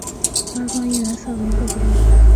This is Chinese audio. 官方应援色为薄荷绿。